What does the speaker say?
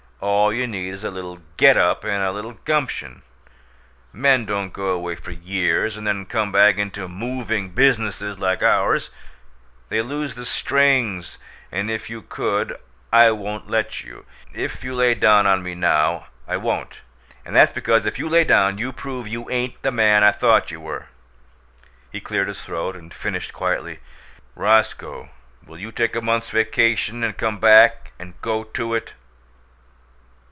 All you need is a little GET up and a little gumption. Men don't go away for YEARS and then come back into MOVING businesses like ours they lose the strings. And if you could, I won't let you if you lay down on me now, I won't and that's because if you lay down you prove you ain't the man I thought you were." He cleared his throat and finished quietly: "Roscoe, will you take a month's vacation and come back and go to it?"